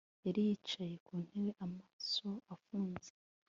Yari yicaye ku ntebe amaso afunze